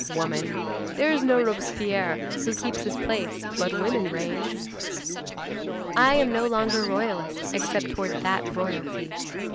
Woman! There is no Robespierre who keeps his place but woman reigns. I am no longer Royalist except towards that royalty.